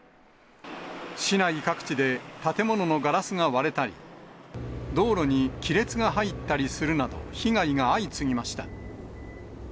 市内各地で建物のガラスが割れたり、道路に亀裂が入ったりするなど、被害が相次ぎました。